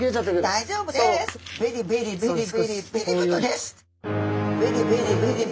大丈夫です！